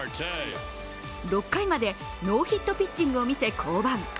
６回までノーヒットピッチングを見せ降板。